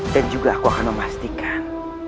dan juga aku akan memastikan